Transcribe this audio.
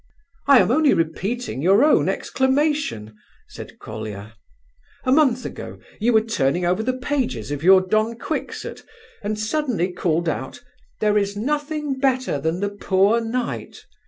"I am only repeating your own exclamation!" said Colia. "A month ago you were turning over the pages of your Don Quixote, and suddenly called out 'there is nothing better than the poor knight.